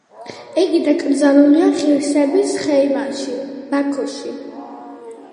იგი დაკრძალულია „ღირსების ხეივანში“, ბაქოში.